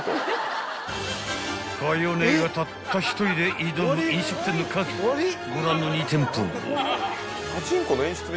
姉がたった１人で挑む飲食店の数ご覧の２店舗］